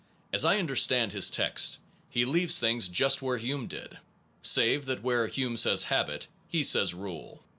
As I under stand his text, he leaves things just where Hume did, save that where Hume says habit Kant he says rule.